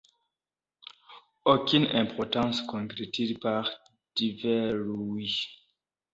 Aucune importance, conclut-il par devers lui.